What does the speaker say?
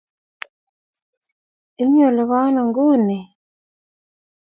Imi ole po ano nguni?